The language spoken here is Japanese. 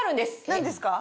何ですか？